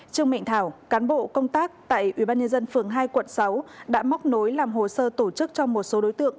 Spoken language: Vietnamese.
trương mạnh thảo cán bộ công tác tại ubnd phường hai quận sáu đã móc nối làm hồ sơ tổ chức cho một số đối tượng